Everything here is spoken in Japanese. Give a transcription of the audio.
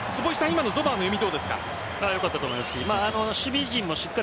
今のゾマーの読み、どうですか。